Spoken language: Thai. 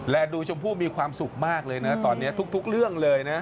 และดูชมพู่มีความสุขมากเลยนะตอนนี้ทุกเรื่องเลยนะ